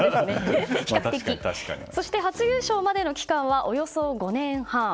そして初優勝までの期間はおよそ５年半。